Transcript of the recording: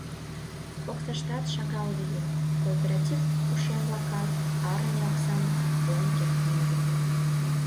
Оксаштат шагал лийын, кооператив ушем-влакат арыме оксам пуэн кертын огытыл.